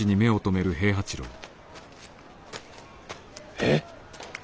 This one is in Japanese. えっ！？